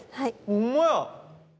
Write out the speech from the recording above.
ほんまや！